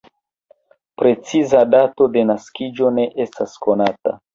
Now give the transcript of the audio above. Preciza dato de naskiĝo ne estas konata.